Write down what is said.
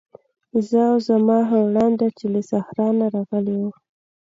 زه او زما خورلنډه چې له صحرا نه راغلې وو.